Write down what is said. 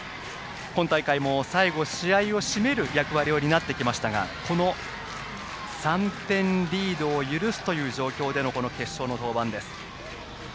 今大会も最後、試合を締める役割を担ってきましたが３点リードを許すという状況での決勝の登板です。